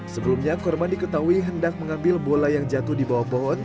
sebelumnya korban diketahui hendak mengambil bola yang jatuh di bawah pohon